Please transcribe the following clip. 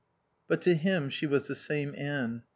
But to him she was the same Anne.